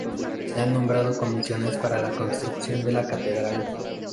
Se han nombrado comisiones para la construcción de la catedral.